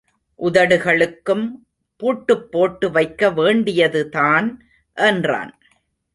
உதடுகளுக்கும் பூட்டுப்போட்டு வைக்க வேண்டியதுதான் என்றான்.